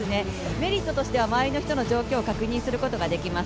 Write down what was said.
メリットとしては周りの人の状況を確認することができます。